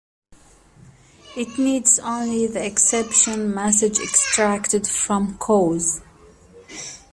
It needs only the exception message extracted from "cause".